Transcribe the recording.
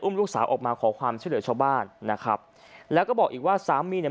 ลูกสาวออกมาขอความช่วยเหลือชาวบ้านนะครับแล้วก็บอกอีกว่าสามีเนี่ย